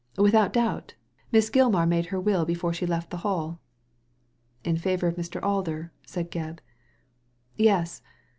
Without doubt. Miss Gilmar made her will before she left the Hall." " In favour of Mr. Alder ?" said Gebb. "Yes.